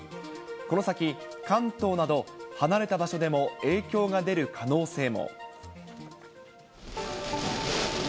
この先、関東など、離れた場所でも影響が出る可能性も。